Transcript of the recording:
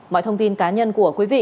mọi thông tin cá nhân của cơ quan công an